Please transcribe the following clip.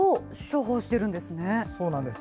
そうなんです。